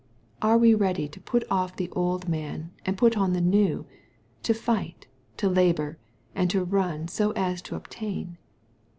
Are we ready to put off the old man, and put on the new — to fight, to labor, and to run so as to obtain